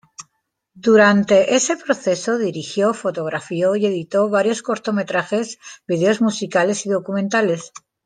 Durante ese proceso dirigió, fotografió y editó varios cortometrajes, videos musicales y documentales.